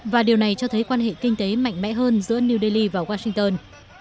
và điều này cho thấy quan hệ kinh tế mạnh mẽ hơn giữa new delhi và washington